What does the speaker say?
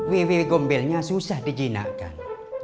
wewe gombelnya susah dijinakkan